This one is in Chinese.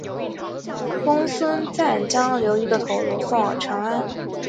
公孙瓒将刘虞的头颅送往长安。